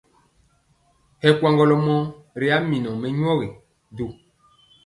Hɛ kwaŋgɔlɔ mɔɔ ri a minɔ mɛnyɔgi du.